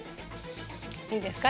いいんですか？